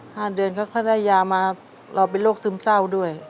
เดือนค่อยได้ยามาเราเป็นโรคซึมเศร้าด้วย